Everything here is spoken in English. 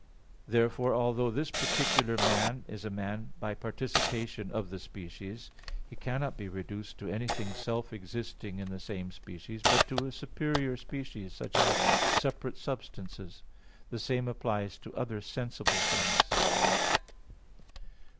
Therefore although this particular man is a man by participation of the species, he cannot be reduced to anything self existing in the same species, but to a superior species, such as separate substances. The same applies to other sensible things.